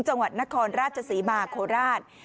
จังหวัดนครราชศรีมาโคราช